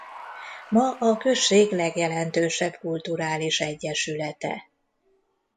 Ma a község legjelentősebb kulturális egyesülete.